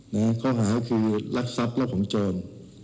พวกนั้นผ่านคือรักษัพและร่มของจน